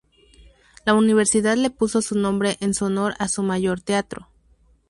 La Universidad le puso su nombre en su honor a su mayor teatro.